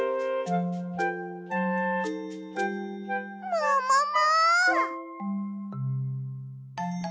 ももも！